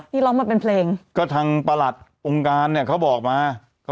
หลายเพลงด้วยนะรองนานมาก